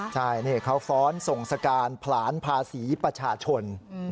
ใช่นี่เขาฟ้อนส่งสการผลานภาษีประชาชน